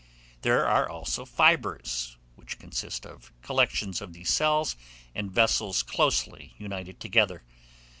There are also fibres, which consist of collections of these cells and vessels closely united together.